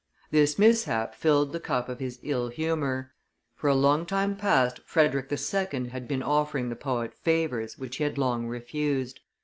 This mishap filled the cup of his ill humor. For a long time past Frederick II. had been offering the poet favors which he had long refused.